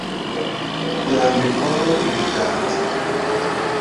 kurambikwaho ibiganza